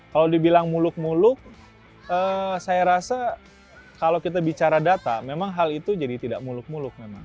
kalau dibilang muluk muluk saya rasa kalau kita bicara data memang hal itu jadi tidak muluk muluk memang